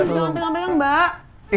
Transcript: jangan pegang pegang mbak